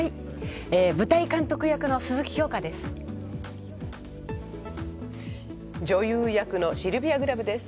舞台監督役の鈴木京香です。